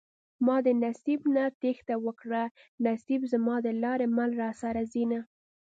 ما د نصيب نه تېښته وکړه نصيب زما د لارې مل راسره ځينه